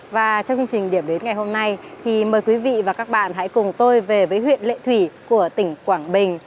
và trong chương trình điểm đến ngày hôm nay thì mời quý vị và các bạn hãy cùng tôi về với huyện lệ thủy của tỉnh quảng bình